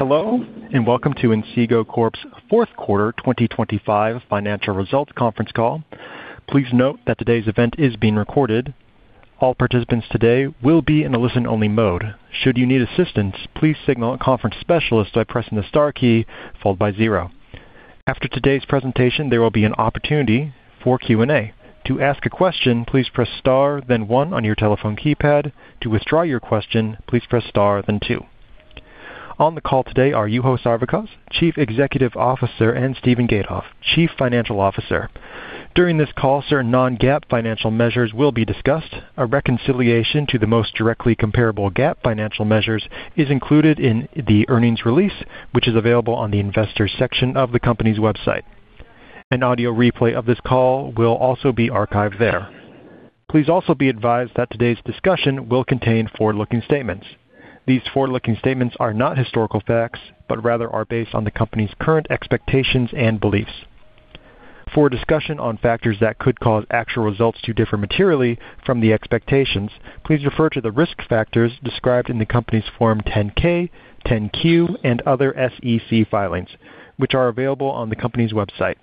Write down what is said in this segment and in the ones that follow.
Hello, and welcome to Inseego Corp.'s fourth quarter 2025 financial results conference call. Please note that today's event is being recorded. All participants today will be in a listen-only mode. Should you need assistance, please signal a conference specialist by pressing the star key followed by zero. After today's presentation, there will be an opportunity for Q&A. To ask a question, please press star, then one on your telephone keypad. To withdraw your question, please press star, then two. On the call today are Juho Sarvikas, Chief Executive Officer, and Steven Gatoff, Chief Financial Officer. During this call, certain non-GAAP financial measures will be discussed. A reconciliation to the most directly comparable GAAP financial measures is included in the earnings release, which is available on the Investors section of the company's website. An audio replay of this call will also be archived there. Please also be advised that today's discussion will contain forward-looking statements. These forward-looking statements are not historical facts, but rather are based on the company's current expectations and beliefs. For discussion on factors that could cause actual results to differ materially from the expectations, please refer to the risk factors described in the company's Form 10-K, 10-Q, and other SEC filings, which are available on the company's website.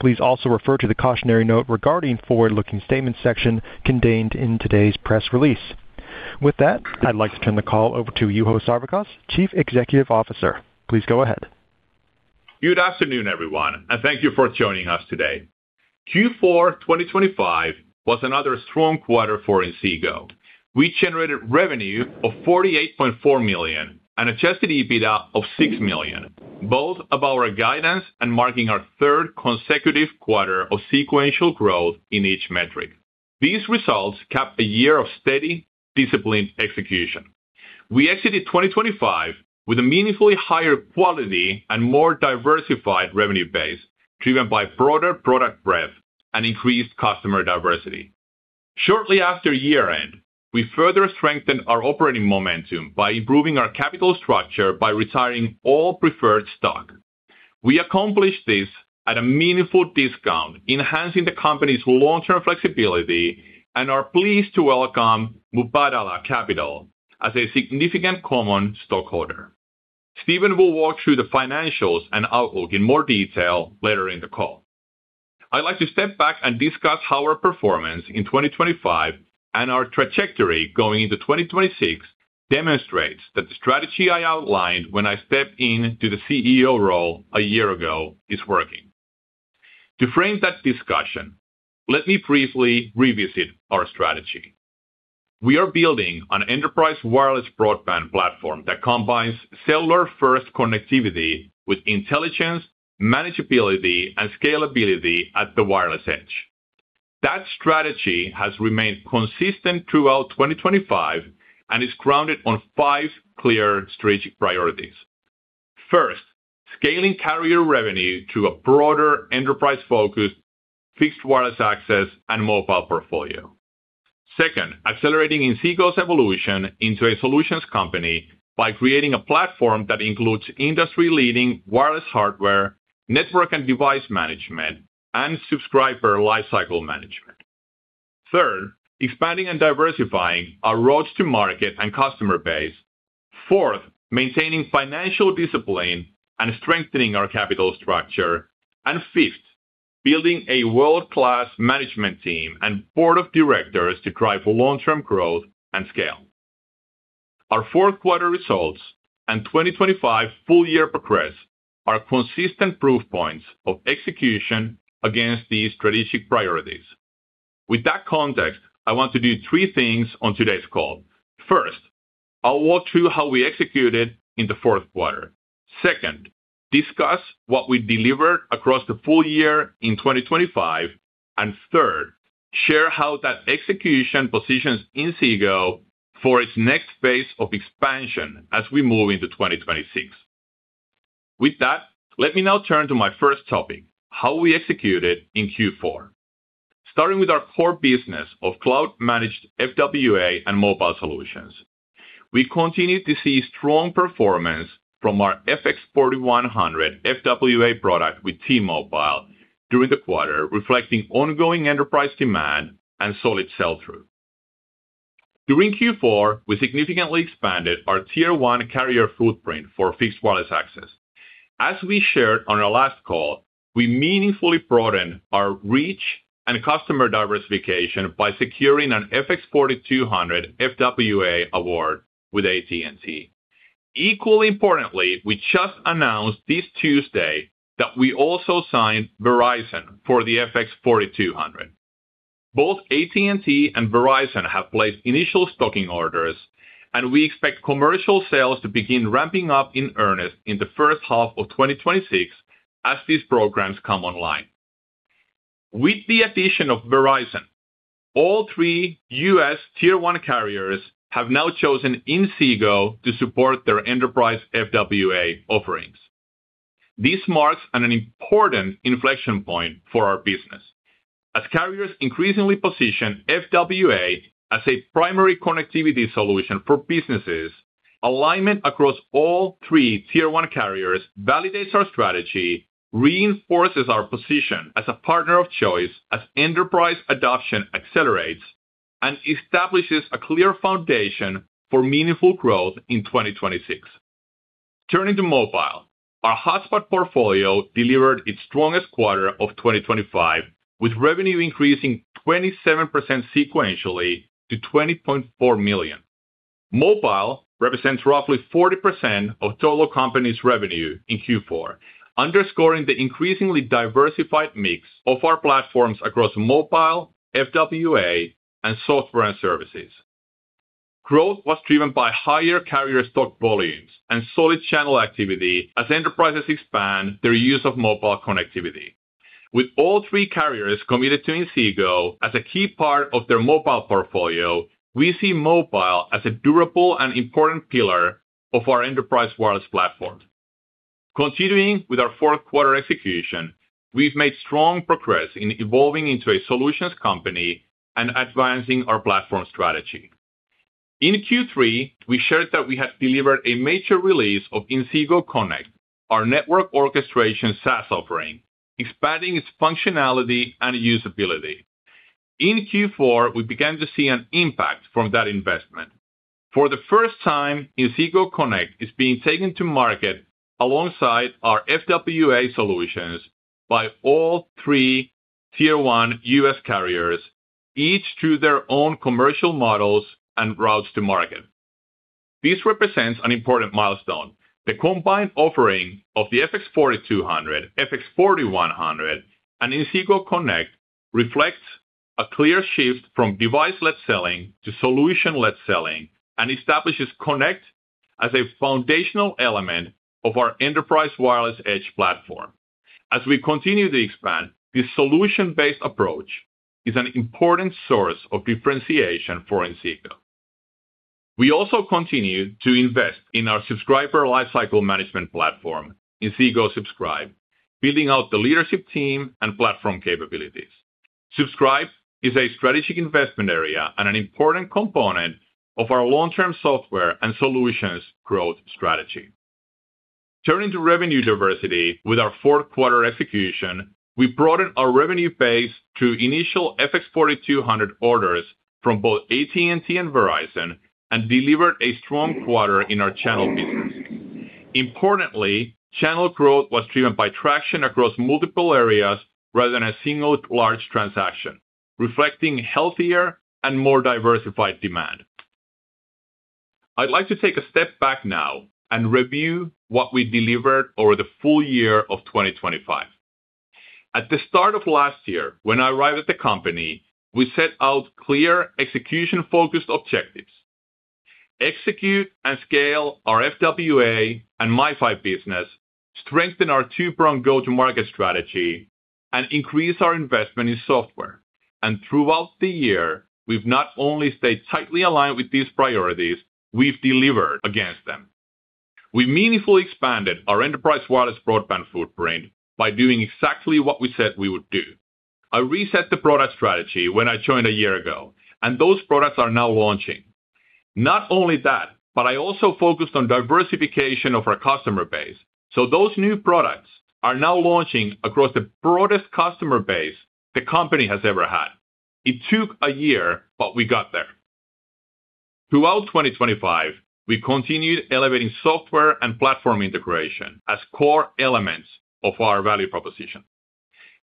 Please also refer to the cautionary note regarding forward-looking statements section contained in today's press release. With that, I'd like to turn the call over to Juho Sarvikas, Chief Executive Officer. Please go ahead. Good afternoon, everyone, and thank you for joining us today. Q4 2025 was another strong quarter for Inseego. We generated revenue of $48.4 million and Adjusted EBITDA of $6 million, both above our guidance and marking our third consecutive quarter of sequential growth in each metric. These results cap a year of steady, disciplined execution. We exited 2025 with a meaningfully higher quality and more diversified revenue base, driven by broader product breadth and increased customer diversity. Shortly after year-end, we further strengthened our operating momentum by improving our capital structure by retiring all preferred stock. We accomplished this at a meaningful discount, enhancing the company's long-term flexibility and are pleased to welcome Mubadala Capital as a significant common stockholder. Steven will walk through the financials and outlook in more detail later in the call. I'd like to step back and discuss how our performance in 2025 and our trajectory going into 2026 demonstrates that the strategy I outlined when I stepped into the CEO role a year ago is working. To frame that discussion, let me briefly revisit our strategy. We are building an enterprise wireless broadband platform that combines cellular-first connectivity with intelligence, manageability, and scalability at the wireless edge. That strategy has remained consistent throughout 2025 and is grounded on 5 clear strategic priorities. First, scaling carrier revenue through a broader enterprise focus, fixed wireless access, and mobile portfolio. Second, accelerating Inseego's evolution into a solutions company by creating a platform that includes industry-leading wireless hardware, network and device management, and subscriber lifecycle management. Third, expanding and diversifying our roads to market and customer base. Fourth, maintaining financial discipline and strengthening our capital structure. And fifth, building a world-class management team and board of directors to drive for long-term growth and scale. Our fourth quarter results and 2025 full year progress are consistent proof points of execution against these strategic priorities. With that context, I want to do three things on today's call. First, I'll walk through how we executed in the fourth quarter. Second, discuss what we delivered across the full year in 2025. And third, share how that execution positions Inseego for its next phase of expansion as we move into 2026. With that, let me now turn to my first topic: how we executed in Q4. Starting with our core business of cloud-managed FWA and mobile solutions. We continued to see strong performance from our FX4100 FWA product with T-Mobile during the quarter, reflecting ongoing enterprise demand and solid sell-through. During Q4, we significantly expanded our Tier 1 carrier footprint for fixed wireless access. As we shared on our last call, we meaningfully broadened our reach and customer diversification by securing an FX4200 FWA award with AT&T. Equally importantly, we just announced this Tuesday that we also signed Verizon for the FX4200. Both AT&T and Verizon have placed initial stocking orders, and we expect commercial sales to begin ramping up in earnest in the first half of 2026 as these programs come online. With the addition of Verizon, all three U.S. Tier 1 carriers have now chosen Inseego to support their enterprise FWA offerings. This marks an important inflection point for our business. As carriers increasingly position FWA as a primary connectivity solution for businesses, alignment across all three Tier 1 carriers validates our strategy, reinforces our position as a partner of choice as enterprise adoption accelerates, and establishes a clear foundation for meaningful growth in 2026. Turning to mobile, our hotspot portfolio delivered its strongest quarter of 2025, with revenue increasing 27% sequentially to $20.4 million. Mobile represents roughly 40% of total company's revenue in Q4, underscoring the increasingly diversified mix of our platforms across mobile, FWA, and software and services. Growth was driven by higher carrier stock volumes and solid channel activity as enterprises expand their use of mobile connectivity. With all three carriers committed to Inseego as a key part of their mobile portfolio, we see mobile as a durable and important pillar of our enterprise wireless platform. Continuing with our fourth quarter execution, we've made strong progress in evolving into a solutions company and advancing our platform strategy. In Q3, we shared that we had delivered a major release of Inseego Connect, our network orchestration SaaS offering, expanding its functionality and usability. In Q4, we began to see an impact from that investment. For the first time, Inseego Connect is being taken to market alongside our FWA solutions by all three Tier 1 U.S. carriers, each through their own commercial models and routes to market. This represents an important milestone. The combined offering of the FX4200, FX4100, and Inseego Connect reflects a clear shift from device-led selling to solution-led selling, and establishes Connect as a foundational element of our enterprise wireless edge platform. As we continue to expand, this solution-based approach is an important source of differentiation for Inseego. We also continue to invest in our subscriber lifecycle management platform, Inseego Subscribe, building out the leadership team and platform capabilities. Subscribe is a strategic investment area and an important component of our long-term software and solutions growth strategy. Turning to revenue diversity with our fourth quarter execution, we broadened our revenue base through initial FX4200 orders from both AT&T and Verizon, and delivered a strong quarter in our channel business. Importantly, channel growth was driven by traction across multiple areas rather than a single large transaction, reflecting healthier and more diversified demand. I'd like to take a step back now and review what we delivered over the full year of 2025. At the start of last year, when I arrived at the company, we set out clear execution-focused objectives: execute and scale our FWA and MiFi business, strengthen our two-pronged go-to-market strategy, and increase our investment in software. Throughout the year, we've not only stayed tightly aligned with these priorities, we've delivered against them. We meaningfully expanded our enterprise wireless broadband footprint by doing exactly what we said we would do. I reset the product strategy when I joined a year ago, and those products are now launching. Not only that, but I also focused on diversification of our customer base, so those new products are now launching across the broadest customer base the company has ever had. It took a year, but we got there. Throughout 2025, we continued elevating software and platform integration as core elements of our value proposition.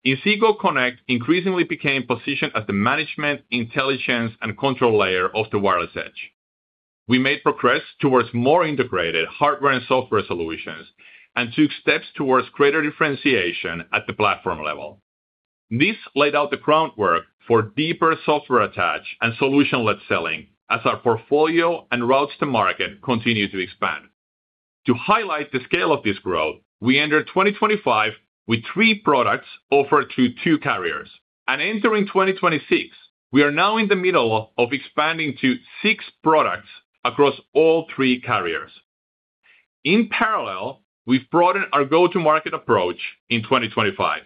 Inseego Connect increasingly became positioned as the management, intelligence, and control layer of the wireless edge. We made progress towards more integrated hardware and software solutions, and took steps towards greater differentiation at the platform level. This laid out the groundwork for deeper software attach and solution-led selling as our portfolio and routes to market continue to expand. To highlight the scale of this growth, we entered 2025 with three products offered through two carriers, and entering 2026, we are now in the middle of expanding to six products across all three carriers. In parallel, we've broadened our go-to-market approach in 2025.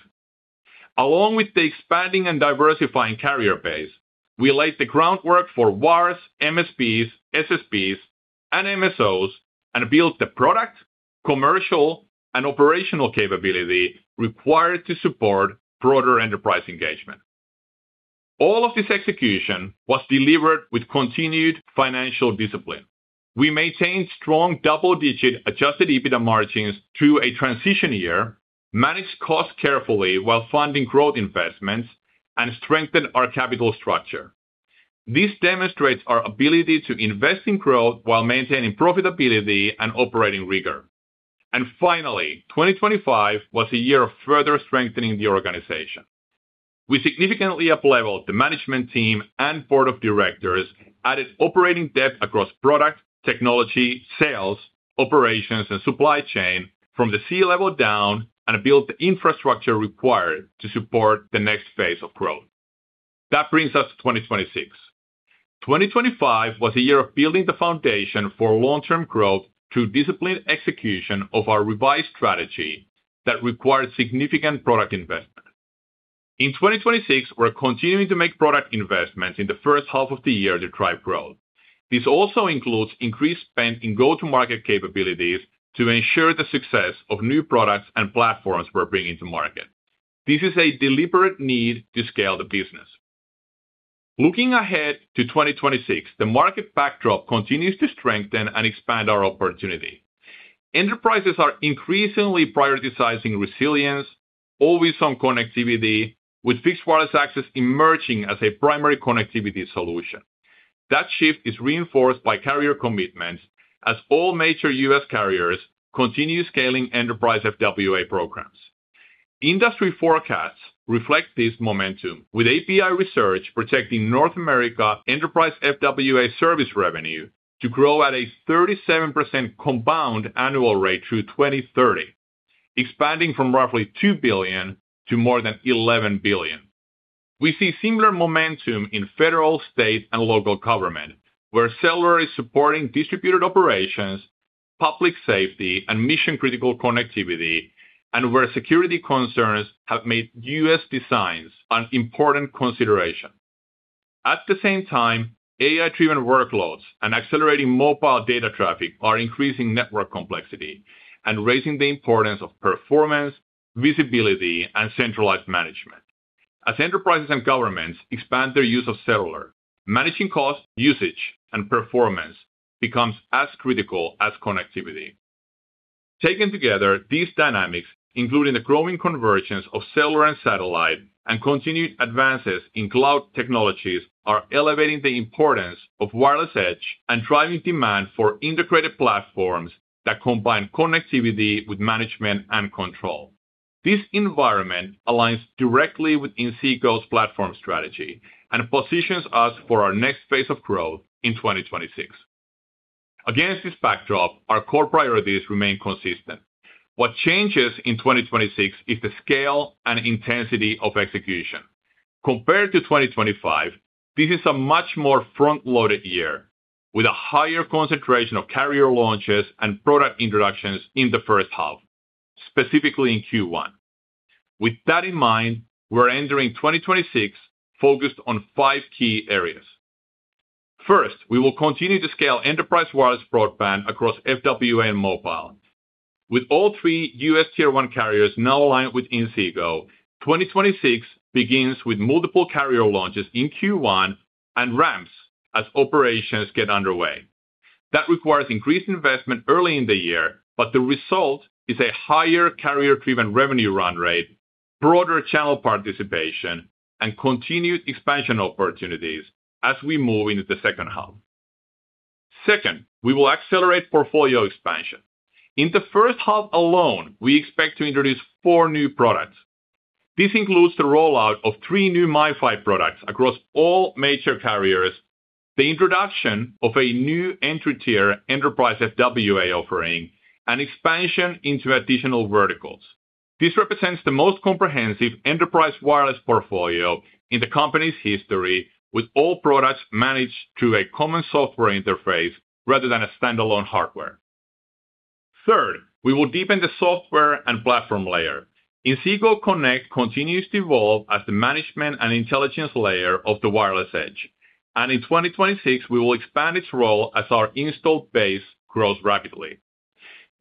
Along with the expanding and diversifying carrier base, we laid the groundwork for VARs, MSPs, SSPs, and MSOs, and built the product, commercial, and operational capability required to support broader enterprise engagement. All of this execution was delivered with continued financial discipline. We maintained strong double-digit Adjusted EBITDA margins through a transition year, managed costs carefully while funding growth investments, and strengthened our capital structure. This demonstrates our ability to invest in growth while maintaining profitability and operating rigor. Finally, 2025 was a year of further strengthening the organization. We significantly upleveled the management team and board of directors, added operating depth across product, technology, sales, operations, and supply chain from the C-level down, and built the infrastructure required to support the next phase of growth. That brings us to 2026. 2025 was a year of building the foundation for long-term growth through disciplined execution of our revised strategy that required significant product investment. In 2026, we're continuing to make product investments in the first half of the year to drive growth. This also includes increased spend in go-to-market capabilities to ensure the success of new products and platforms we're bringing to market. This is a deliberate need to scale the business. Looking ahead to 2026, the market backdrop continues to strengthen and expand our opportunity. Enterprises are increasingly prioritizing resilience, always-on connectivity, with fixed wireless access emerging as a primary connectivity solution. That shift is reinforced by carrier commitments as all major U.S. carriers continue scaling enterprise FWA programs. Industry forecasts reflect this momentum, with ABI Research projecting North America Enterprise FWA service revenue to grow at a 37% compound annual rate through 2030, expanding from roughly $2 billion to more than $11 billion. We see similar momentum in federal, state, and local government, where cellular is supporting distributed operations, public safety, and mission-critical connectivity, and where security concerns have made U.S. designs an important consideration. At the same time, AI-driven workloads and accelerating mobile data traffic are increasing network complexity and raising the importance of performance, visibility, and centralized management. As enterprises and governments expand their use of cellular, managing cost, usage, and performance becomes as critical as connectivity. Taken together, these dynamics, including the growing convergence of cellular and satellite, and continued advances in cloud technologies, are elevating the importance of wireless edge and driving demand for integrated platforms that combine connectivity with management and control. This environment aligns directly with Inseego's platform strategy and positions us for our next phase of growth in 2026. Against this backdrop, our core priorities remain consistent. What changes in 2026 is the scale and intensity of execution. Compared to 2025, this is a much more front-loaded year, with a higher concentration of carrier launches and product introductions in the first half, specifically in Q1. With that in mind, we're entering 2026 focused on five key areas. First, we will continue to scale enterprise wireless broadband across FWA and mobile. With all three U.S. Tier 1 carriers now aligned with Inseego, 2026 begins with multiple carrier launches in Q1 and ramps as operations get underway. That requires increased investment early in the year, but the result is a higher carrier-driven revenue run rate, broader channel participation, and continued expansion opportunities as we move into the second half. Second, we will accelerate portfolio expansion. In the first half alone, we expect to introduce four new products. This includes the rollout of three new MiFi products across all major carriers, the introduction of a new entry-tier enterprise FWA offering, and expansion into additional verticals. This represents the most comprehensive enterprise wireless portfolio in the company's history, with all products managed through a common software interface rather than a standalone hardware. Third, we will deepen the software and platform layer. Inseego Connect continues to evolve as the management and intelligence layer of the wireless edge, and in 2026, we will expand its role as our installed base grows rapidly.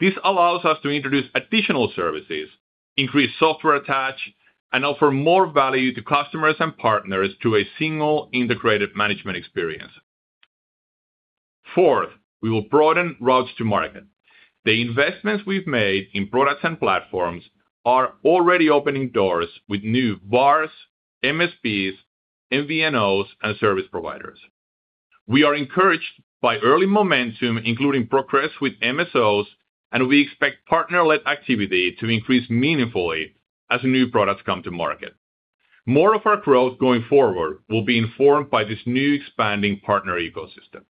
This allows us to introduce additional services, increase software attach, and offer more value to customers and partners through a single integrated management experience. Fourth, we will broaden routes to market. The investments we've made in products and platforms are already opening doors with new VARs, MSPs, MVNOs, and service providers. We are encouraged by early momentum, including progress with MSOs, and we expect partner-led activity to increase meaningfully as new products come to market. More of our growth going forward will be informed by this new expanding partner ecosystem.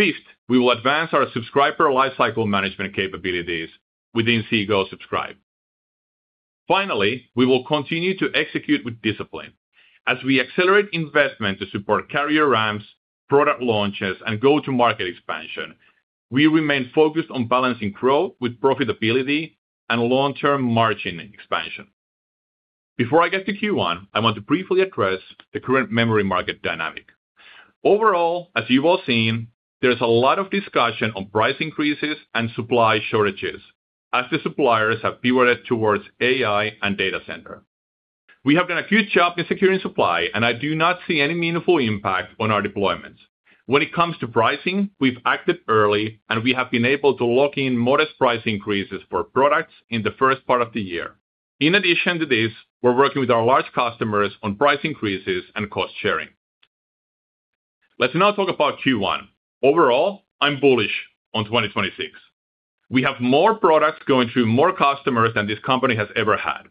Fifth, we will advance our subscriber lifecycle management capabilities with Inseego Subscribe. Finally, we will continue to execute with discipline. As we accelerate investment to support carrier ramps, product launches, and go-to-market expansion, we remain focused on balancing growth with profitability and long-term margin expansion. Before I get to Q1, I want to briefly address the current memory market dynamic. Overall, as you've all seen, there's a lot of discussion on price increases and supply shortages as the suppliers have pivoted towards AI and data center. We have done a good job in securing supply, and I do not see any meaningful impact on our deployments. When it comes to pricing, we've acted early, and we have been able to lock in modest price increases for products in the first part of the year. In addition to this, we're working with our large customers on price increases and cost sharing. Let's now talk about Q1. Overall, I'm bullish on 2026. We have more products going to more customers than this company has ever had.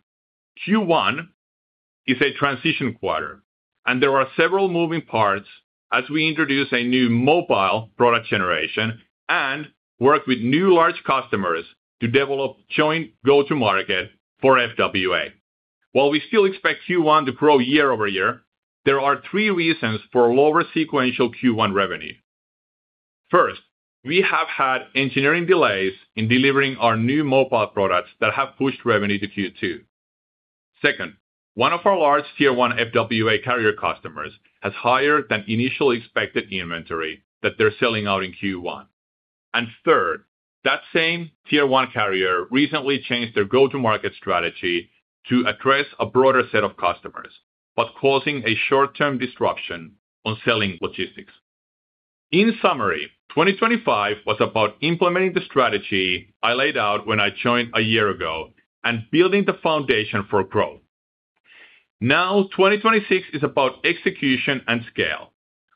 Q1 is a transition quarter, and there are several moving parts as we introduce a new mobile product generation and work with new large customers to develop joint go-to-market for FWA. While we still expect Q1 to grow year-over-year, there are three reasons for lower sequential Q1 revenue. First, we have had engineering delays in delivering our new mobile products that have pushed revenue to Q2. Second, one of our large tier-one FWA carrier customers has higher than initially expected inventory that they're selling out in Q1.... And third, that same Tier 1 carrier recently changed their go-to-market strategy to address a broader set of customers, but causing a short-term disruption on selling logistics. In summary, 2025 was about implementing the strategy I laid out when I joined a year ago and building the foundation for growth. Now, 2026 is about execution and scale.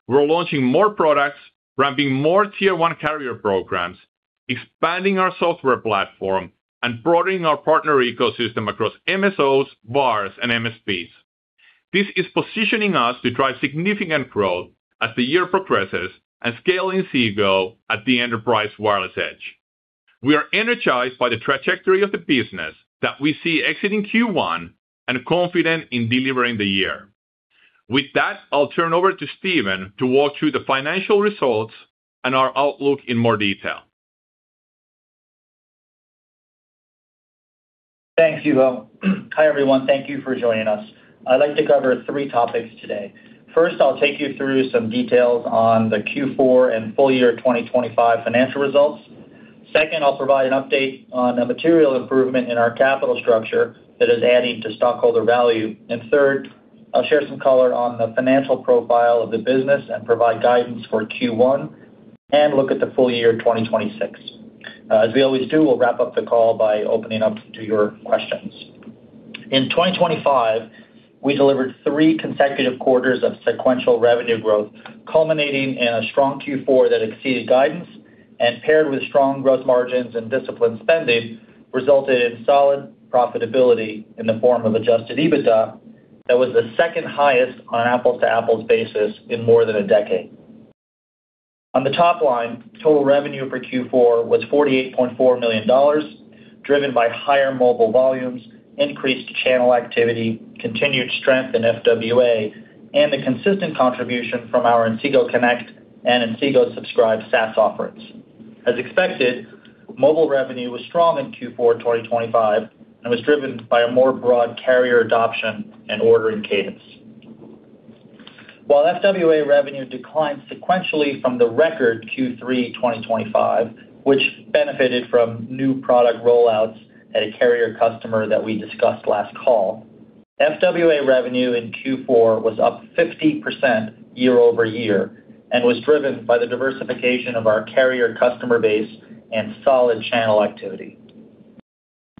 We're launching more products, ramping more Tier 1 carrier programs, expanding our software platform, and broadening our partner ecosystem across MSOs, VARs, and MSPs. This is positioning us to drive significant growth as the year progresses and scale Inseego at the enterprise wireless edge. We are energized by the trajectory of the business that we see exiting Q1 and confident in delivering the year. With that, I'll turn over to Steven to walk through the financial results and our outlook in more detail. Thank you. Hi, everyone. Thank you for joining us. I'd like to cover three topics today. First, I'll take you through some details on the Q4 and full year 2025 financial results. Second, I'll provide an update on a material improvement in our capital structure that is adding to stockholder value. And third, I'll share some color on the financial profile of the business and provide guidance for Q1, and look at the full year 2026. As we always do, we'll wrap up the call by opening up to your questions. In 2025, we delivered three consecutive quarters of sequential revenue growth, culminating in a strong Q4 that exceeded guidance, and paired with strong gross margins and disciplined spending, resulted in solid profitability in the form of Adjusted EBITDA. That was the second highest on apples-to-apples basis in more than a decade. On the top line, total revenue for Q4 was $48.4 million, driven by higher mobile volumes, increased channel activity, continued strength in FWA, and the consistent contribution from our Inseego Connect and Inseego Subscribe SaaS offerings. As expected, mobile revenue was strong in Q4 2025, and was driven by a more broad carrier adoption and ordering cadence. While FWA revenue declined sequentially from the record Q3 2025, which benefited from new product rollouts at a carrier customer that we discussed last call, FWA revenue in Q4 was up 50% year-over-year, and was driven by the diversification of our carrier customer base and solid channel activity.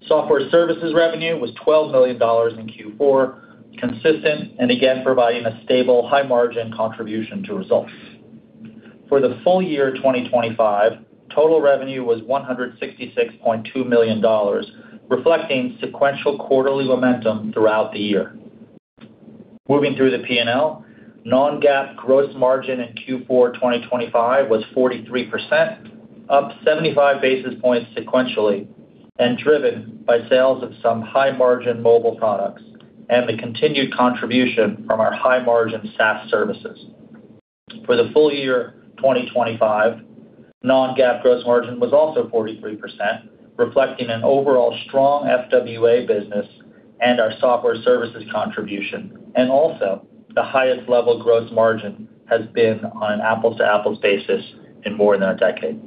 Software services revenue was $12 million in Q4, consistent and again, providing a stable, high-margin contribution to results. For the full year 2025, total revenue was $166.2 million, reflecting sequential quarterly momentum throughout the year. Moving through the P&L, non-GAAP gross margin in Q4 2025 was 43%, up 75 basis points sequentially, and driven by sales of some high-margin mobile products and the continued contribution from our high-margin SaaS services. For the full year 2025, non-GAAP gross margin was also 43%, reflecting an overall strong FWA business and our software services contribution, and also the highest level gross margin has been on an apples-to-apples basis in more than a decade.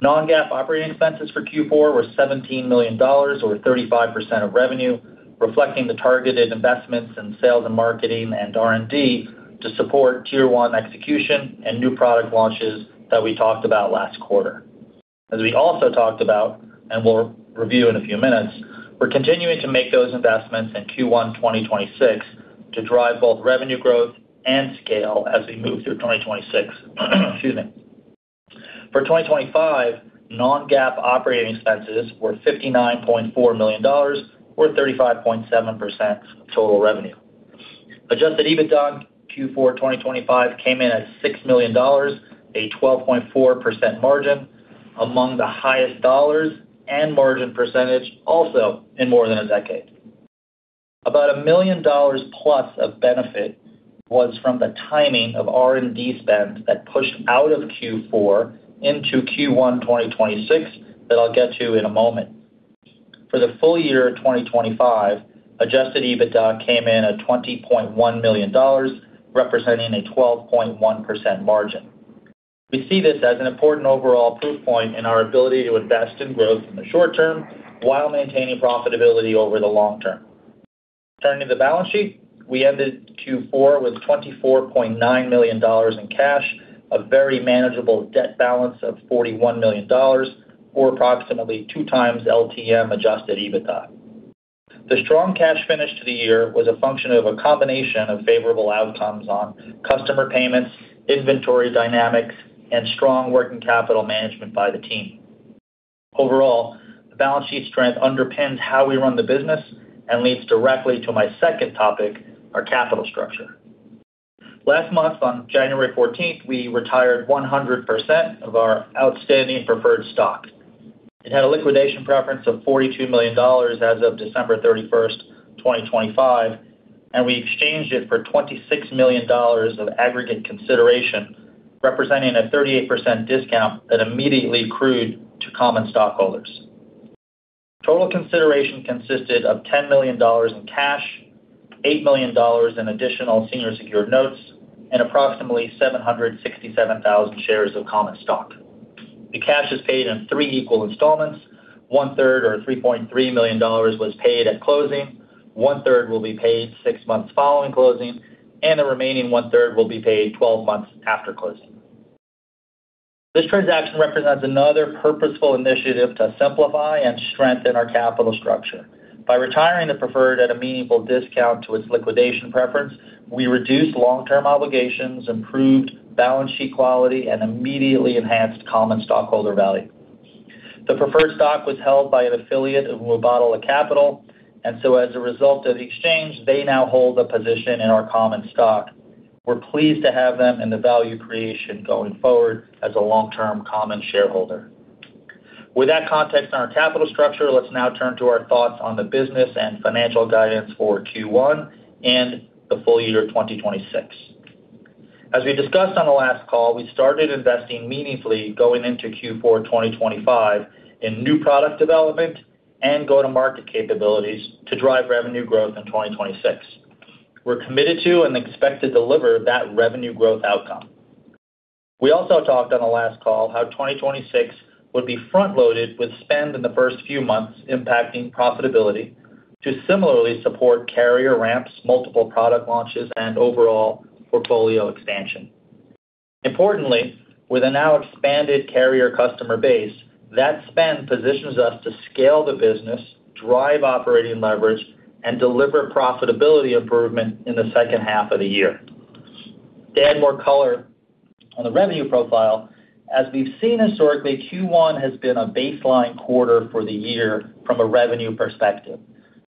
Non-GAAP operating expenses for Q4 were $17 million, or 35% of revenue, reflecting the targeted investments in sales and marketing and R&D to support Tier 1 execution and new product launches that we talked about last quarter. As we also talked about, and we'll review in a few minutes, we're continuing to make those investments in Q1 2026 to drive both revenue growth and scale as we move through 2026. Excuse me. For 2025, non-GAAP operating expenses were $59.4 million, or 35.7% of total revenue. Adjusted EBITDA in Q4 2025 came in at $6 million, a 12.4% margin, among the highest dollars and margin percentage also in more than a decade. About $1 million+ of benefit was from the timing of R&D spend that pushed out of Q4 into Q1 2026, that I'll get to in a moment. For the full year 2025, Adjusted EBITDA came in at $20.1 million, representing a 12.1% margin. We see this as an important overall proof point in our ability to invest in growth in the short term while maintaining profitability over the long term. Turning to the balance sheet, we ended Q4 with $24.9 million in cash, a very manageable debt balance of $41 million, or approximately 2x LTM Adjusted EBITDA. The strong cash finish to the year was a function of a combination of favorable outcomes on customer payments, inventory dynamics, and strong working capital management by the team. Overall, the balance sheet strength underpins how we run the business and leads directly to my second topic, our capital structure. Last month, on January 14, we retired 100% of our outstanding preferred stock. It had a liquidation preference of $42 million as of December 31st, 2025, and we exchanged it for $26 million of aggregate consideration, representing a 38% discount that immediately accrued to common stockholders. Total consideration consisted of $10 million in cash, $8 million in additional senior secured notes, and approximately 767,000 shares of common stock. The cash is paid in three equal installments. One-third, or $3.3 million, was paid at closing, 1/3 will be paid six months following closing, and the remaining 1/3 will be paid 12 months after closing. This transaction represents another purposeful initiative to simplify and strengthen our capital structure. By retiring the preferred at a meaningful discount to its liquidation preference, we reduced long-term obligations, improved balance sheet quality, and immediately enhanced common stockholder value. The preferred stock was held by an affiliate of Mubadala Capital, and so as a result of the exchange, they now hold a position in our common stock. We're pleased to have them in the value creation going forward as a long-term common shareholder. With that context on our capital structure, let's now turn to our thoughts on the business and financial guidance for Q1 and the full year 2026. As we discussed on the last call, we started investing meaningfully going into Q4 2025 in new product development and go-to-market capabilities to drive revenue growth in 2026. We're committed to and expect to deliver that revenue growth outcome. We also talked on the last call how 2026 would be front-loaded with spend in the first few months, impacting profitability, to similarly support carrier ramps, multiple product launches, and overall portfolio expansion. Importantly, with a now expanded carrier customer base, that spend positions us to scale the business, drive operating leverage, and deliver profitability improvement in the second half of the year. To add more color on the revenue profile, as we've seen historically, Q1 has been a baseline quarter for the year from a revenue perspective,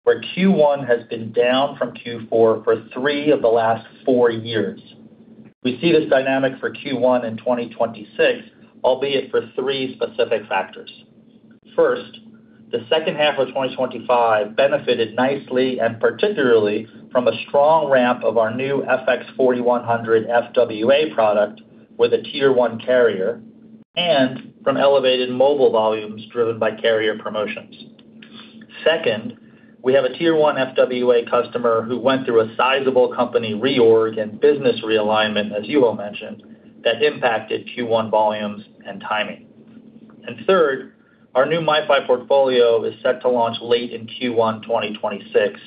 where Q1 has been down from Q4 for three of the last four years. We see this dynamic for Q1 in 2026, albeit for three specific factors. First, the second half of 2025 benefited nicely and particularly from a strong ramp of our new FX4100 FWA product with a Tier 1 carrier, and from elevated mobile volumes driven by carrier promotions. Second, we have a Tier 1 FWA customer who went through a sizable company reorg and business realignment, as Juho mentioned, that impacted Q1 volumes and timing. And third, our new MiFi portfolio is set to launch late in Q1 2026,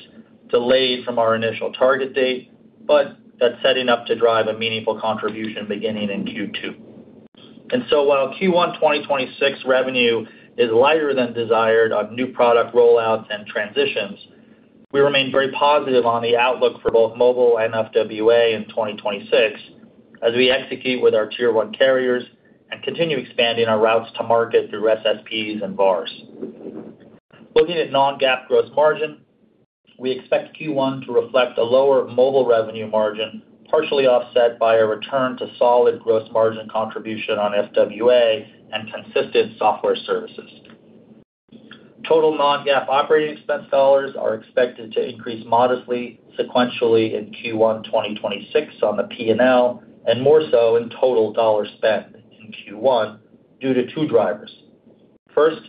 delayed from our initial target date, but that's setting up to drive a meaningful contribution beginning in Q2. And so while Q1 2026 revenue is lighter than desired on new product rollouts and transitions, we remain very positive on the outlook for both mobile and FWA in 2026, as we execute with our Tier 1 carriers and continue expanding our routes to market through SSPs and VARs. Looking at Non-GAAP gross margin, we expect Q1 to reflect a lower mobile revenue margin, partially offset by a return to solid gross margin contribution on FWA and consistent software services. Total Non-GAAP operating expense dollars are expected to increase modestly, sequentially in Q1 2026 on the P&L, and more so in total dollar spend in Q1 due to two drivers. First,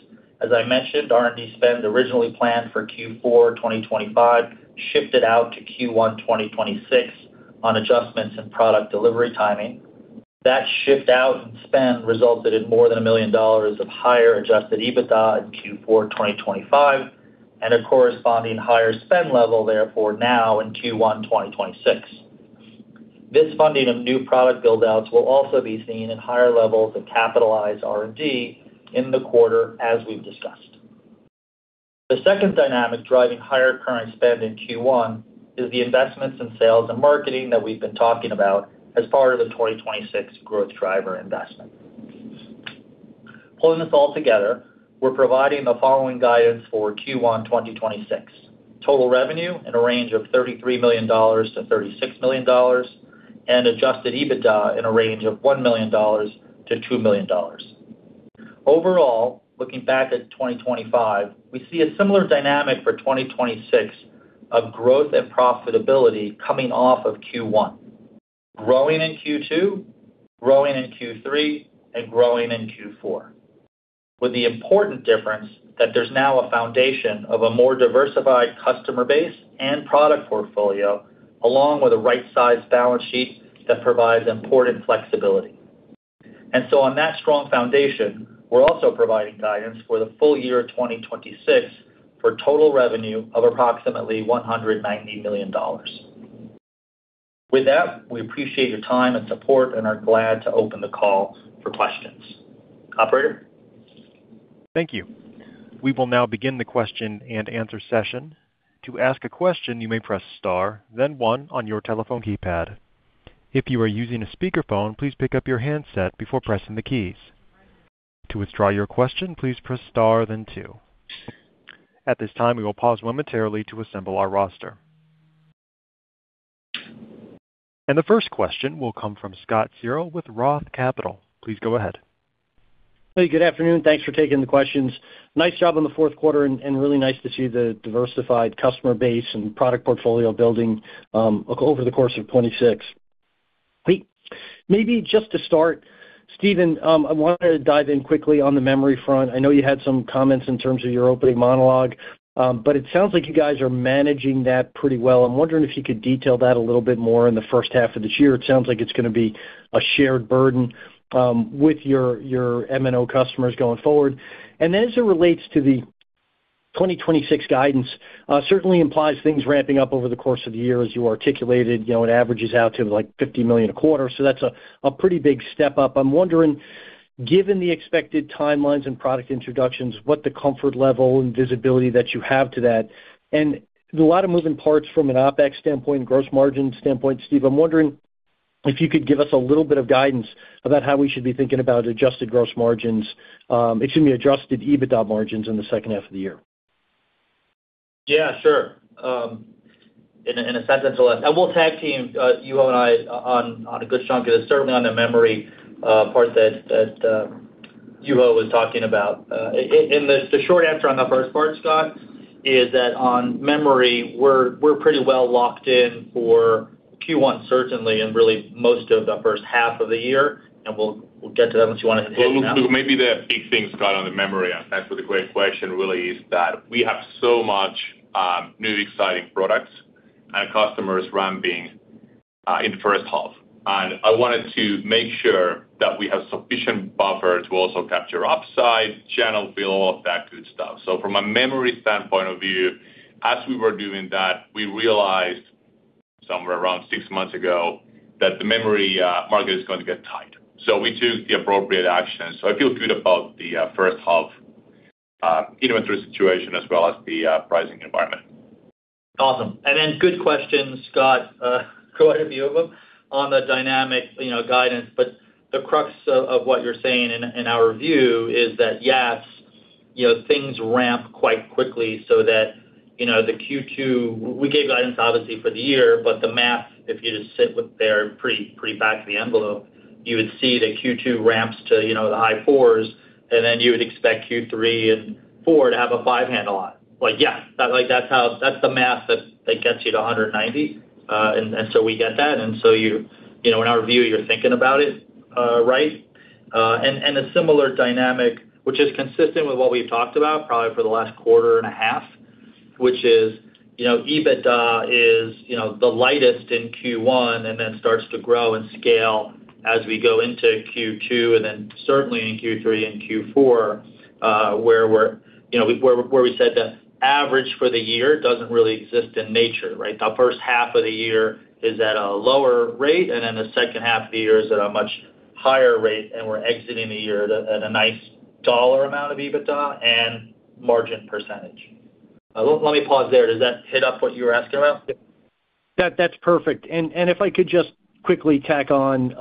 as I mentioned, R&D spend, originally planned for Q4 2025, shifted out to Q1 2026 on adjustments in product delivery timing. That shift out in spend resulted in more than $1 million of higher Adjusted EBITDA in Q4 2025, and a corresponding higher spend level therefore now in Q1 2026. This funding of new product build-outs will also be seen in higher levels of capitalized R&D in the quarter, as we've discussed. The second dynamic driving higher current spend in Q1 is the investments in sales and marketing that we've been talking about as part of the 2026 growth driver investment. Pulling this all together, we're providing the following guidance for Q1 2026: total revenue in a range of $33 million-$36 million, and Adjusted EBITDA in a range of $1 million-$2 million. Overall, looking back at 2025, we see a similar dynamic for 2026 of growth and profitability coming off of Q1, growing in Q2, growing in Q3, and growing in Q4, with the important difference that there's now a foundation of a more diversified customer base and product portfolio, along with a right-sized balance sheet that provides important flexibility. So on that strong foundation, we're also providing guidance for the full year 2026, for total revenue of approximately $190 million. With that, we appreciate your time and support and are glad to open the call for questions. Operator? Thank you. We will now begin the question-and-answer session. To ask a question, you may press star, then one on your telephone keypad. If you are using a speakerphone, please pick up your handset before pressing the keys. To withdraw your question, please press star then two. At this time, we will pause momentarily to assemble our roster. The first question will come from Scott Searle with Roth Capital. Please go ahead. Hey, good afternoon. Thanks for taking the questions. Nice job on the fourth quarter, and really nice to see the diversified customer base and product portfolio building over the course of 2026. Maybe just to start, Steven, I wanted to dive in quickly on the memory front. I know you had some comments in terms of your opening monologue, but it sounds like you guys are managing that pretty well. I'm wondering if you could detail that a little bit more in the first half of this year. It sounds like it's gonna be a shared burden with your MNO customers going forward. And as it relates to the 2026 guidance, certainly implies things ramping up over the course of the year, as you articulated, you know, it averages out to, like, $50 million a quarter, so that's a pretty big step up. I'm wondering, given the expected timelines and product introductions, what the comfort level and visibility that you have to that, and a lot of moving parts from an OpEx standpoint and gross margin standpoint, Steve, I'm wondering if you could give us a little bit of guidance about how we should be thinking about adjusted gross margins, excuse me, Adjusted EBITDA margins in the second half of the year? Yeah, sure. In a sense, we'll tag team, Juho and I on a good chunk of this, certainly on the memory part that Juho was talking about. The short answer on the first part, Scott, is that on memory, we're pretty well locked in for Q1, certainly, and really most of the first half of the year, and we'll get to that unless you want to hit it now. Well, maybe the big thing, Scott, on the memory, and thanks for the great question, really is that we have so much new exciting products and customers ramping in the first half. I wanted to make sure that we have sufficient buffer to also capture upside, channel fill, all of that good stuff. So from a memory standpoint of view, as we were doing that, we realized somewhere around six months ago, that the memory market is going to get tight, so we took the appropriate action. So I feel good about the first half inventory situation as well as the pricing environment. Awesome. And then, good question, Scott, quite a few of them on the dynamic, you know, guidance, but the crux of what you're saying and our view is that, yes, you know, things ramp quite quickly so that, you know, the Q2. We gave guidance, obviously, for the year, but the math, if you just sit with there, pretty, pretty back of the envelope, you would see that Q2 ramps to, you know, the high fours, and then you would expect Q3 and four to have a five handle on it. Like, yeah, that, like, that's how, that's the math that gets you to $190, and so we get that, and so you, you know, in our view, you're thinking about it right. And a similar dynamic, which is consistent with what we've talked about probably for the last quarter and a half, which is, you know, EBITDA is, you know, the lightest in Q1, and then starts to grow and scale as we go into Q2, and then certainly in Q3 and Q4, where we're, you know, where we said the average for the year doesn't really exist in nature, right? The first half of the year is at a lower rate, and then the second half of the year is at a much higher rate, and we're exiting the year at a nice dollar amount of EBITDA and margin percentage. Let me pause there. Does that hit up what you were asking about? That, that's perfect. And, and if I could just quickly tack on,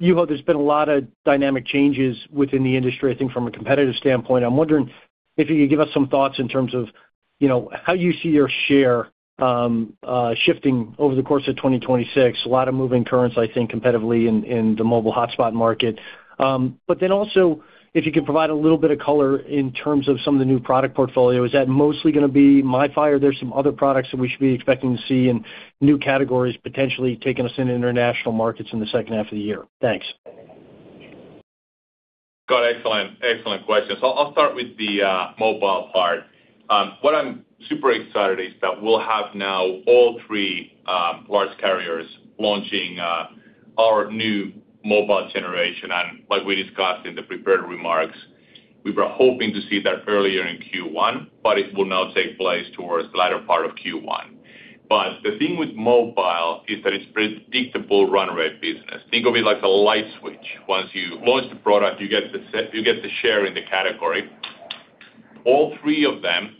Juho, there's been a lot of dynamic changes within the industry, I think, from a competitive standpoint. I'm wondering if you could give us some thoughts in terms of, you know, how you see your share, shifting over the course of 2026. A lot of moving currents, I think, competitively in, in the mobile hotspot market. But then also, if you could provide a little bit of color in terms of some of the new product portfolio. Is that mostly gonna be MiFi, or there's some other products that we should be expecting to see in new categories, potentially taking us into international markets in the second half of the year? Thanks. Scott, excellent. Excellent question. So I'll start with the mobile part. What I'm super excited is that we'll have now all three large carriers launching our new mobile generation. And like we discussed in the prepared remarks, we were hoping to see that earlier in Q1, but it will now take place towards the latter part of Q1. But the thing with mobile is that it's predictable run rate business. Think of it like a light switch. Once you launch the product, you get the share in the category. All three of them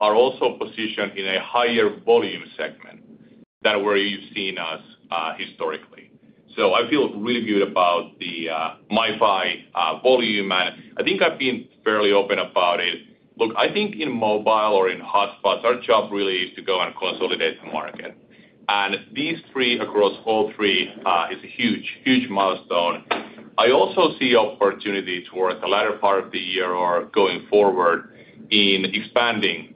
are also positioned in a higher volume segment than where you've seen us historically. So I feel really good about the MiFi volume, and I think I've been fairly open about it. Look, I think in mobile or in hotspots, our job really is to go and consolidate the market, and these three across all three is a huge, huge milestone. I also see opportunity towards the latter part of the year or going forward in expanding,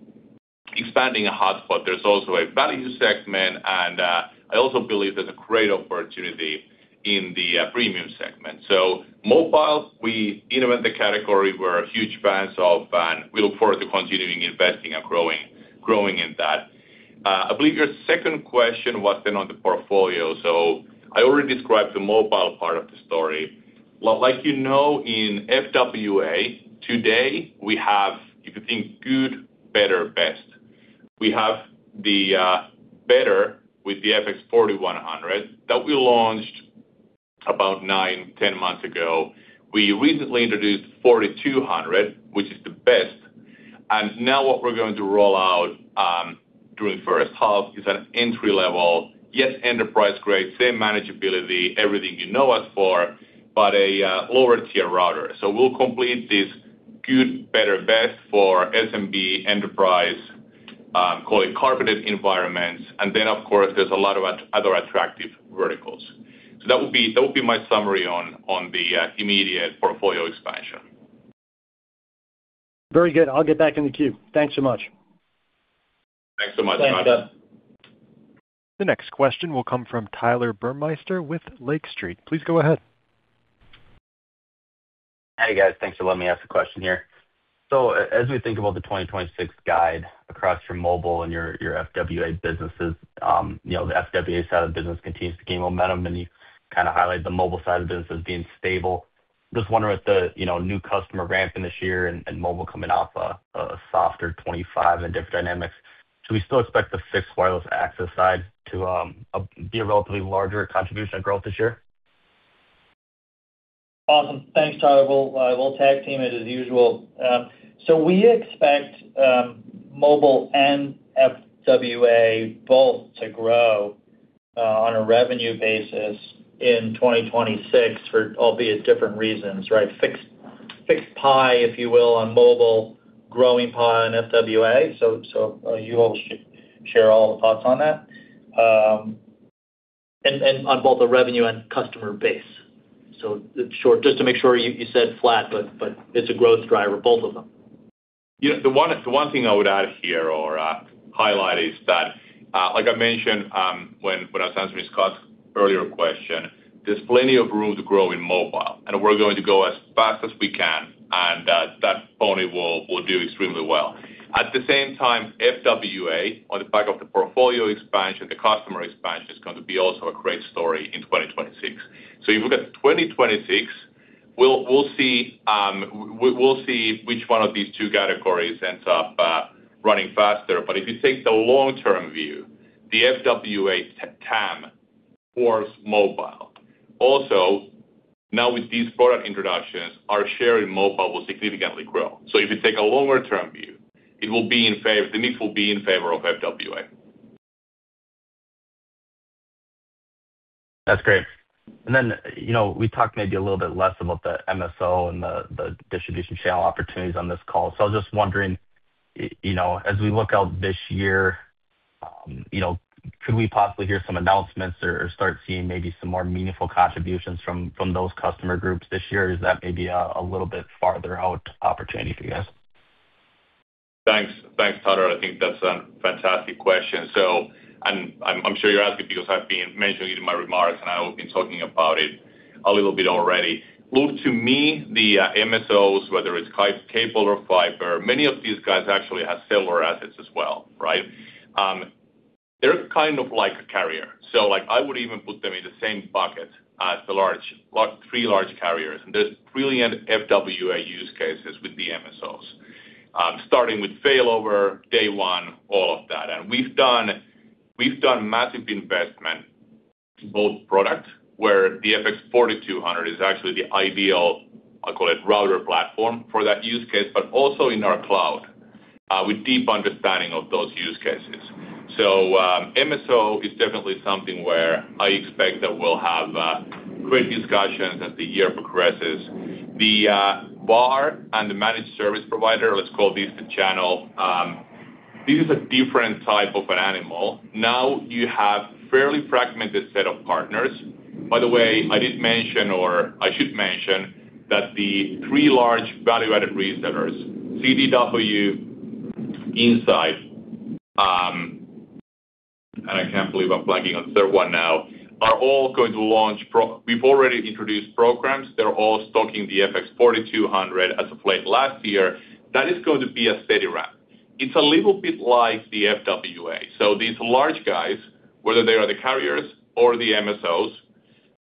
expanding a hotspot. There's also a value segment, and I also believe there's a great opportunity in the premium segment. So mobile, we innovate the category we're huge fans of, and we look forward to continuing investing and growing, growing in that. I believe your second question was then on the portfolio, so I already described the mobile part of the story. Well, like you know, in FWA, today, we have, if you think good, better, best, we have the better with the FX4100 that we launched about 9-10 months ago. We recently introduced 4200, which is the best, and now what we're going to roll out during the first half is an entry-level, yet enterprise-grade, same manageability, everything you know us for, but a lower-tier router. So we'll complete this good, better, best for SMB enterprise, call it carpeted environments, and then, of course, there's a lot of other attractive verticals. So that would be, that would be my summary on, on the immediate portfolio expansion.... Very good. I'll get back in the queue. Thanks so much. Thanks so much, Roger. The next question will come from Tyler Burmeister with Lake Street. Please go ahead. Hi, guys. Thanks for letting me ask a question here. So as we think about the 2026 guide across your mobile and your FWA businesses, you know, the FWA side of the business continues to gain momentum, and you kinda highlight the mobile side of the business as being stable. Just wondering if the, you know, new customer ramp in this year and mobile coming off a softer 2025 and different dynamics, should we still expect the fixed wireless access side to be a relatively larger contribution of growth this year? Awesome. Thanks, Tyler. We'll tag team it as usual. So we expect mobile and FWA both to grow on a revenue basis in 2026, albeit different reasons, right? Fixed, fixed pie, if you will, on mobile, growing pie on FWA. So you all share all the thoughts on that. And on both the revenue and customer base. So sure, just to make sure you said flat, but it's a growth driver, both of them. Yeah, the one thing I would add here or highlight is that, like I mentioned, when I was answering Scott's earlier question, there's plenty of room to grow in mobile, and we're going to go as fast as we can, and that phone will do extremely well. At the same time, FWA, on the back of the portfolio expansion, the customer expansion, is going to be also a great story in 2026. So if you look at 2026, we'll see which one of these two categories ends up running faster. But if you take the long-term view, the FWA TAM or mobile, also, now with these product introductions, our share in mobile will significantly grow. So if you take a longer-term view, it will be in favor, the mix will be in favor of FWA. That's great. Then, you know, we talked maybe a little bit less about the MSO and the distribution channel opportunities on this call. So I was just wondering, you know, as we look out this year, you know, could we possibly hear some announcements or start seeing maybe some more meaningful contributions from those customer groups this year? Is that maybe a little bit farther out opportunity for you guys? Thanks. Thanks, Tyler. I think that's a fantastic question. So, I'm sure you're asking because I've been mentioning it in my remarks, and I've been talking about it a little bit already. Look, to me, the MSOs, whether it's cable or fiber, many of these guys actually have similar assets as well, right? They're kind of like a carrier, so, like, I would even put them in the same bucket as the three large carriers. And there's brilliant FWA use cases with the MSOs, starting with failover, day-one, all of that. And we've done massive investment in both products, where the FX4200 is actually the ideal, I'll call it, router platform for that use case, but also in our cloud, with deep understanding of those use cases. So, MSO is definitely something where I expect that we'll have great discussions as the year progresses. The VAR and the managed service provider, let's call this the channel, this is a different type of an animal. Now, you have fairly fragmented set of partners. By the way, I didn't mention, or I should mention that the three large value-added resellers, CDW, Insight... And I can't believe I'm blanking on the third one now, are all going to launch. We've already introduced programs. They're all stocking the FX4200 as of late last year. That is going to be a steady ramp. It's a little bit like the FWA. So these large guys, whether they are the carriers or the MSOs,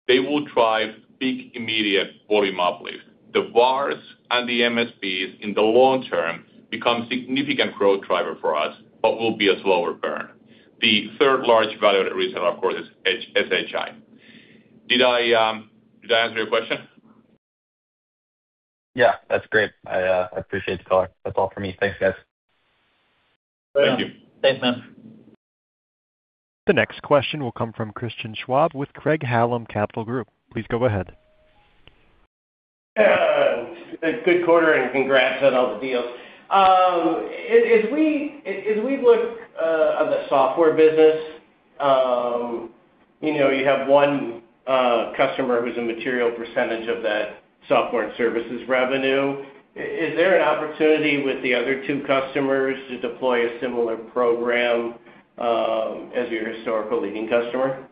they will drive big, immediate volume uplift. The VARs and the MSPs, in the long term, become significant growth driver for us, but will be a slower burn. The third large value-added reseller, of course, is SHI. Did I, did I answer your question? Yeah, that's great. I, I appreciate the color. That's all for me. Thanks, guys. Thank you. Thanks, man. The next question will come from Christian Schwab with Craig-Hallum Capital Group. Please go ahead. Good quarter, and congrats on all the deals. As we look on the software business, you know, you have one customer who's a material percentage of that software and services revenue. Is there an opportunity with the other two customers to deploy a similar program as your historical leading customer?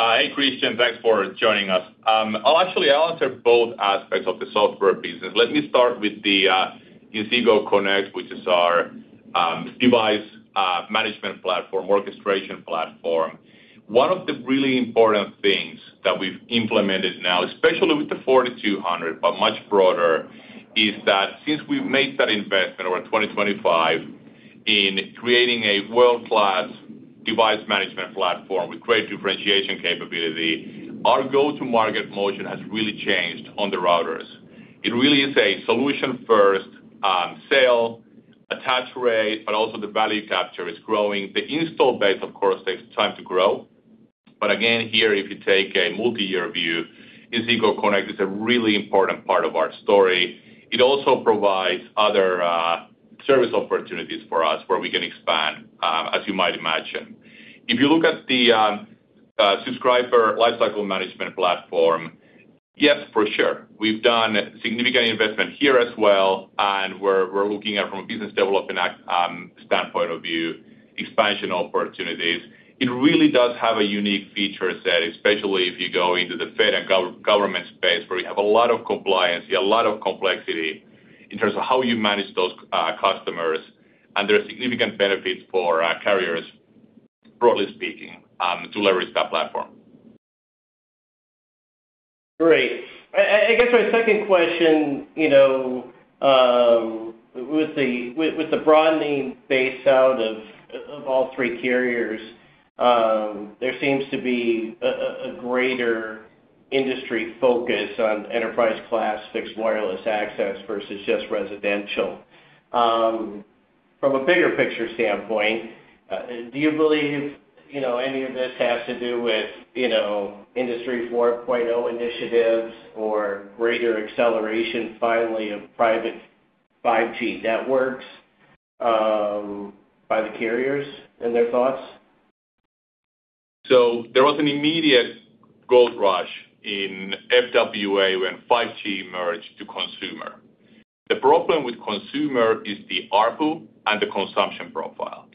Hey, Christian, thanks for joining us. I'll actually answer both aspects of the software business. Let me start with the Inseego Connect, which is our device management platform, orchestration platform. One of the really important things that we've implemented now, especially with the 4200, but much broader, is that since we've made that investment over 2025 in creating a world-class device management platform with great differentiation capability, our go-to market motion has really changed on the routers. It really is a solution-first sale, attach rate, but also the value capture is growing. The install base, of course, takes time to grow. But again, here, if you take a multi-year view, Inseego Connect is a really important part of our story. It also provides other service opportunities for us where we can expand, as you might imagine. If you look at the subscriber lifecycle management platform, yes, for sure. We've done significant investment here as well, and we're looking at from a business development aspect standpoint of view, expansion opportunities. It really does have a unique feature set, especially if you go into the federal and government space, where you have a lot of compliance, you have a lot of complexity in terms of how you manage those customers, and there are significant benefits for carriers, broadly speaking, to leverage that platform. Great. I guess my second question, you know, with the broadening base out of all three carriers, there seems to be a greater industry focus on enterprise class fixed wireless access versus just residential. From a bigger picture standpoint, do you believe any of this has to do with, you know, Industry 4.0 initiatives or greater acceleration, finally, of private 5G networks by the carriers and their thoughts? So there was an immediate gold rush in FWA when 5G emerged to consumer. The problem with consumer is the ARPU and the consumption profile.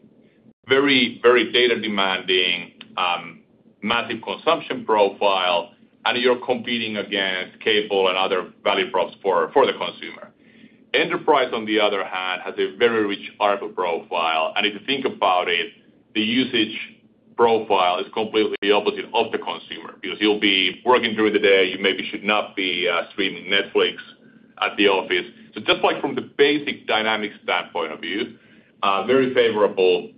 Very, very data demanding, massive consumption profile, and you're competing against cable and other value props for the consumer. Enterprise, on the other hand, has a very rich ARPU profile, and if you think about it, the usage profile is completely opposite of the consumer, because you'll be working during the day, you maybe should not be streaming Netflix at the office. So just like from the basic dynamic standpoint of view, very favorable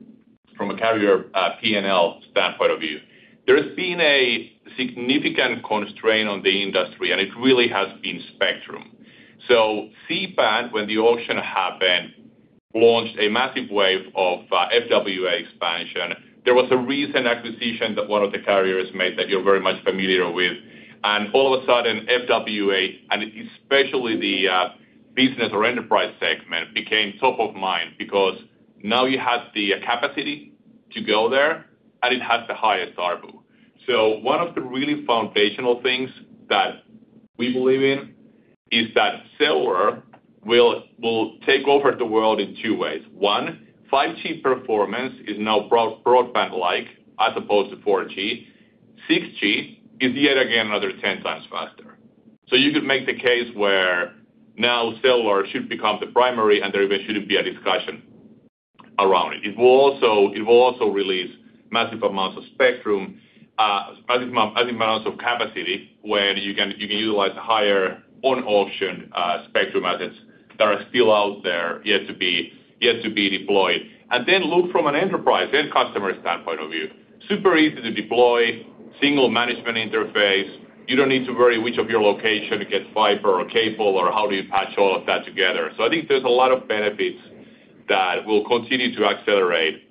from a carrier, P&L standpoint of view. There has been a significant constraint on the industry, and it really has been spectrum. So C-Band, when the auction happened, launched a massive wave of FWA expansion. There was a recent acquisition that one of the carriers made that you're very much familiar with, and all of a sudden, FWA, and especially the business or enterprise segment, became top of mind because now you have the capacity to go there, and it has the highest ARPU. So one of the really foundational things that we believe in is that cellular will take over the world in two ways. One, 5G performance is now broadband-like, as opposed to 4G. 6G is yet again another 10x faster. So you could make the case where now cellular should become the primary, and there even shouldn't be a discussion around it. It will also release massive amounts of spectrum, massive amounts of capacity, where you can utilize higher on-auction spectrum assets that are still out there, yet to be deployed. And then look from an enterprise and customer standpoint of view. Super easy to deploy, single management interface. You don't need to worry which of your location gets fiber or cable, or how do you patch all of that together. So I think there's a lot of benefits that will continue to accelerate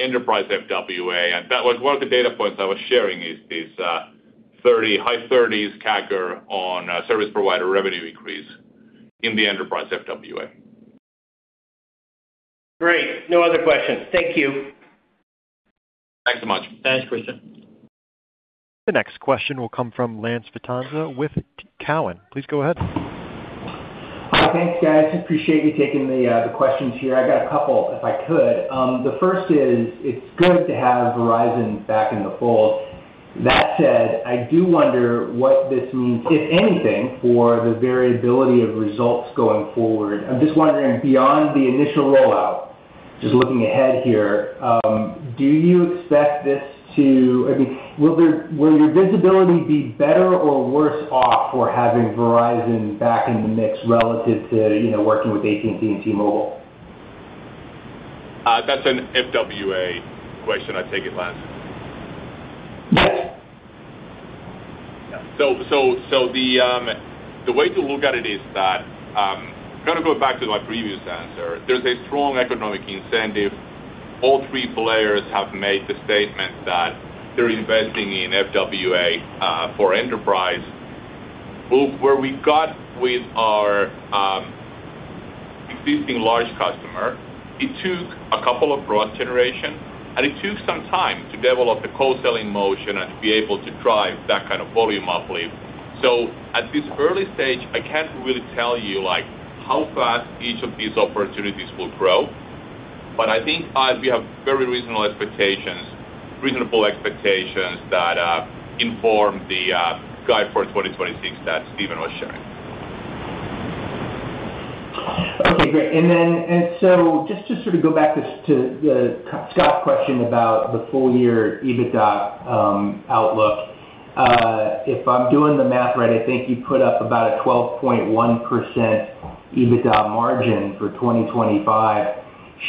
enterprise FWA, and that was one of the data points I was sharing is 30, high 30s CAGR on service provider revenue increase in the enterprise FWA. Great. No other questions. Thank you. Thanks so much. Thanks, Christian. The next question will come from Lance Vitanza with Cowen. Please go ahead. Hi. Thanks, guys. Appreciate you taking the questions here. I got a couple, if I could. The first is, it's good to have Verizon back in the fold. That said, I do wonder what this means, if anything, for the variability of results going forward. I'm just wondering, beyond the initial rollout, just looking ahead here, do you expect this to... I mean, will your visibility be better or worse off for having Verizon back in the mix relative to, you know, working with AT&T and T-Mobile? That's an FWA question, I take it, Lance? Yes. The way to look at it is that, I'm gonna go back to my previous answer. There's a strong economic incentive. All three players have made the statement that they're investing in FWA for enterprise. Well, where we've got with our existing large customer, it took a couple of product generation, and it took some time to develop the co-selling motion and to be able to drive that kind of volume uplift. So at this early stage, I can't really tell you, like, how fast each of these opportunities will grow, but I think we have very reasonable expectations, reasonable expectations that inform the guide for 2026 that Steven was sharing. Okay, great. And then, and so just to sort of go back to, to the Scott question about the full year EBITDA outlook. If I'm doing the math right, I think you put up about a 12.1% EBITDA margin for 2025.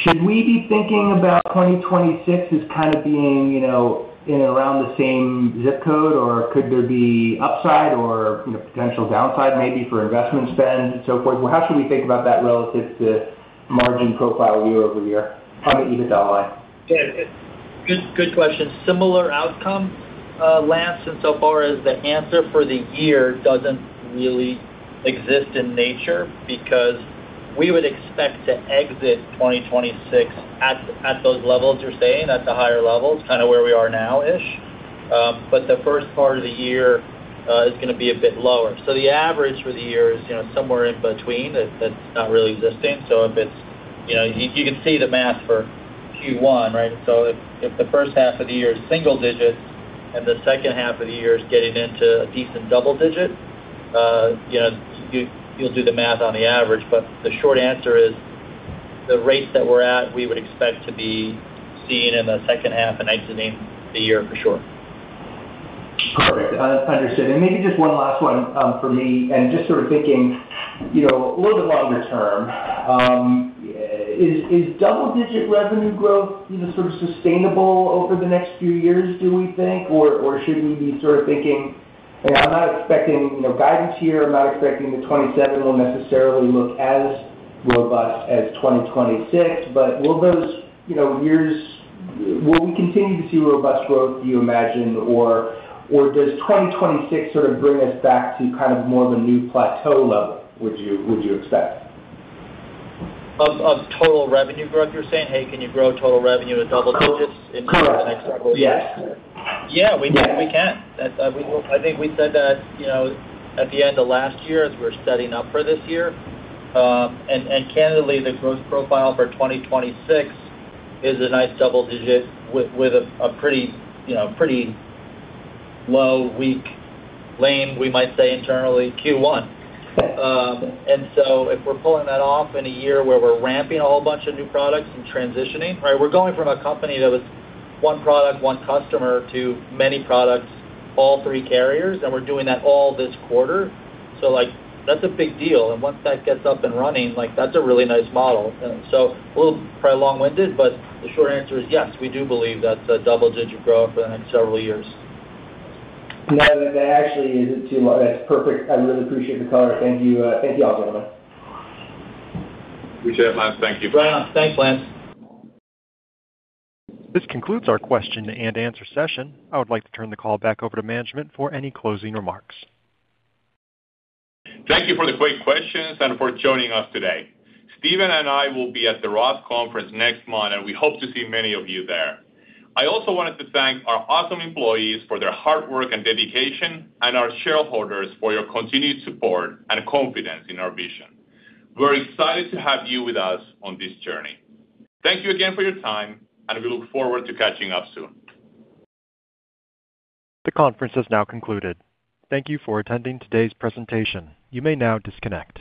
Should we be thinking about 2026 as kind of being, you know, in around the same zip code, or could there be upside or, you know, potential downside maybe for investment spend and so forth? How should we think about that relative to margin profile year-over-year on the EBITDA line? Good, good question. Similar outcome, Lance, and so far as the answer for the year doesn't really exist in nature, because we would expect to exit 2026 at, at those levels you're saying, at the higher levels, kind of where we are now-ish. But the first part of the year is gonna be a bit lower. So the average for the year is, you know, somewhere in between. That's not really existing. So if it's, you know, you can see the math for Q1, right? So if the first half of the year is single digits, and the second half of the year is getting into a decent double digit, you know, you, you'll do the math on the average. But the short answer is, the rates that we're at, we would expect to be seen in the second half and into the year for sure. Perfect. Understood. And maybe just one last one, for me, and just sort of thinking, you know, a little bit longer term. Is double-digit revenue growth, you know, sort of sustainable over the next few years, do we think? Or should we be sort of thinking, like, I'm not expecting, you know, guidance here. I'm not expecting the 2027 will necessarily look as robust as 2026, but will those, you know, years, will we continue to see robust growth, do you imagine? Or does 2026 sort of bring us back to kind of more of a new plateau level, would you, would you expect? Of total revenue growth, you're saying, "Hey, can you grow total revenue with double digits in the next several years? Correct. Yes. Yeah, we can, we can. That, we—I think we said that, you know, at the end of last year, as we were setting up for this year. And, candidly, the growth profile for 2026 is a nice double digit with, with a, a pretty, you know, pretty low, weak, lame, we might say internally, Q1. And so if we're pulling that off in a year where we're ramping a whole bunch of new products and transitioning, right, we're going from a company that was one product, one customer, to many products, all three carriers, and we're doing that all this quarter. So, like, that's a big deal. And once that gets up and running, like, that's a really nice model. So a little probably long-winded, but the short answer is yes, we do believe that's double-digit growth in the next several years. No, that, that actually isn't too long. That's perfect. I really appreciate the color. Thank you, thank you all, gentlemen. Appreciate it, Lance. Thank you. Yeah. Thanks, Lance. This concludes our question and answer session. I would like to turn the call back over to management for any closing remarks. Thank you for the great questions and for joining us today. Steven and I will be at the ROTH Conference next month, and we hope to see many of you there. I also wanted to thank our awesome employees for their hard work and dedication, and our shareholders for your continued support and confidence in our vision. We're excited to have you with us on this journey. Thank you again for your time, and we look forward to catching up soon. The conference has now concluded. Thank you for attending today's presentation. You may now disconnect.